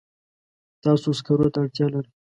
تاسو سکرو ته اړتیا لرئ.